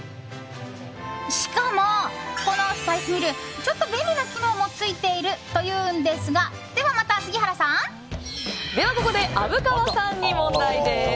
しかも、このスパイスミルちょっと便利な機能もついているというのですがではここで虻川さんに問題です。